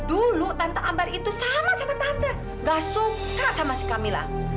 dulu tante ambar itu sama sama tante gak suka sama si camilla